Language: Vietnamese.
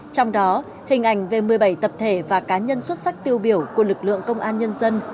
trong đó hình ảnh về một mươi bảy tập thể và cá nhân xuất sắc tiêu biểu của lực lượng công an nhân dân